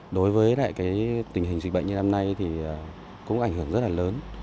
đối với tình hình dịch bệnh như năm nay thì cũng ảnh hưởng rất là lớn